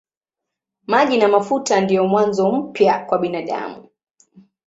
Maji na mafuta ndiyo mwanzo mpya kwa binadamu.